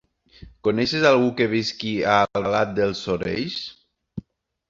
Coneixes algú que visqui a Albalat dels Sorells?